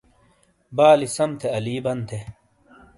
بالی سم تھی الی بند تھے